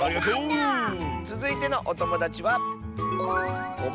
つづいてのおともだちは。